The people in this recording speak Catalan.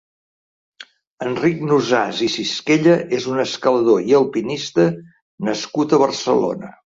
Enric Nosàs i Sisquella és un escalador i alpinista nascut a Barcelona.